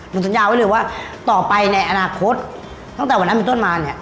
สัญญาไว้เลยว่าต่อไปในอนาคตตั้งแต่วันนั้นเป็นต้นมาเนี่ย